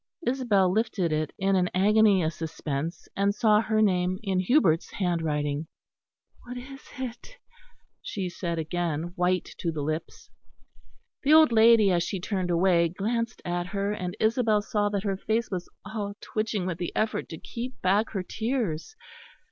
Isabel lifted it in an agony of suspense; and saw her name, in Hubert's handwriting. "What is it?" she said again, white to the lips. The old lady as she turned away glanced at her; and Isabel saw that her face was all twitching with the effort to keep back her tears.